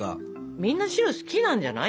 みんな白好きなんじゃない？